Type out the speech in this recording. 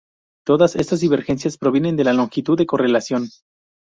Todas estas divergencias provienen de la longitud de correlación.